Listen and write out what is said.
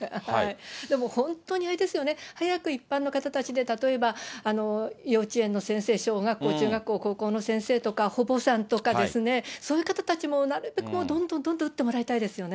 でも本当にあれですよね、早く一般の方たちで、例えば、幼稚園の先生、小学校、中学校、高校の先生とか、保母さんとか、そういう方たちも、なるべく、どんどんどんどん打ってもらいたいですよね。